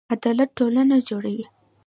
عدالت ټولنه جوړوي